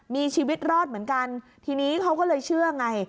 มีชีวิตรอดเหมือนกันทีนี้เขาก็เลยเชื่อไง